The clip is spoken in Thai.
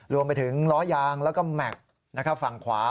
รวมไปถึงล้อยางแล้วก็แม็กซ์ฝั่งขวา